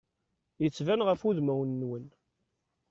Yettban ɣef udmawen-nwen.